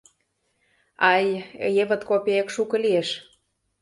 — Ай, евыт копеек шуко лиеш...